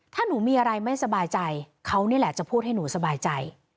ถ้าหนูมีอะไรไม่สบายใจเขานี่แหละจะพูดให้หนูสบายใจ